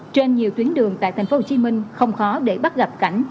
trên nhiều tuyến đường tại thành phố hồ chí minh không khó để bắt gặp cảnh